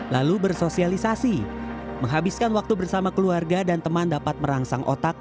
lalu bersosialisasi menghabiskan waktu bersama keluarga dan teman dapat merangsang otak